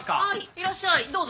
いらっしゃいどうぞ。